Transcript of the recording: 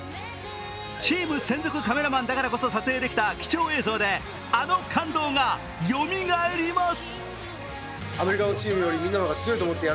チーム専属カメラマンだからこそ撮影できた貴重映像であの感動がよみがえります。